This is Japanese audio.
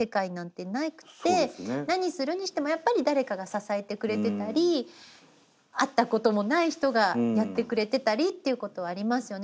何するにしてもやっぱり誰かが支えてくれてたり会ったこともない人がやってくれてたりっていうことはありますよね。